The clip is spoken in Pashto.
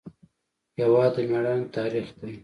هېواد د میړانې تاریخ دی.